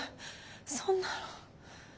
そんなの。